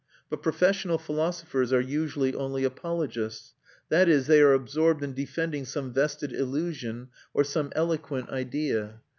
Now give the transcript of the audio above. But professional philosophers are usually only apologists: that is, they are absorbed in defending some vested illusion or some eloquent idea.